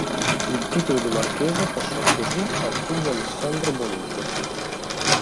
Il titolo di marchese passò così al figlio Alessandro Bonito.